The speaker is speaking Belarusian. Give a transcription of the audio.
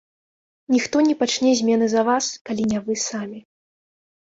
Ніхто не пачне змены за вас, калі не вы самі.